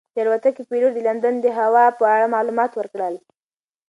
د الوتکې پېلوټ د لندن د هوا په اړه معلومات ورکړل.